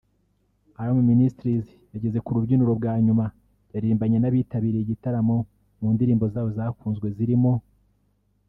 Alarm Ministries yageze ku rubyiniro bwa nyuma yaririmbanye n’abitabiriye igitaramo mu ndirimbo zayo zakunzwe zirimo �